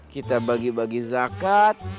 kita bagi bagi zakat